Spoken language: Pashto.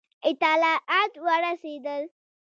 اطلاعات ورسېدل.